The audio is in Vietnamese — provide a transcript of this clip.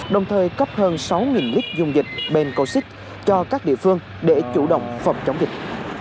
đồng thời cấp hơn sáu lít dung dịch bên cầu xích cho các địa phương để chủ động phòng chống dịch